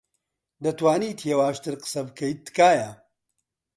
دەتوانیت هێواشتر قسە بکەیت، تکایە؟